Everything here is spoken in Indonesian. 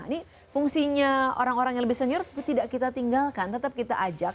ini fungsinya orang orang yang lebih senior tidak kita tinggalkan tetap kita ajak